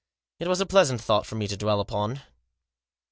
It was a pleasant thought for me to dwell upon.